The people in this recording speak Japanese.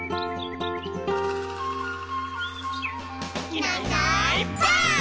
「いないいないばあっ！」